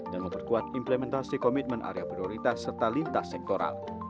dan memperkuat implementasi komitmen area prioritas serta lintas sektoral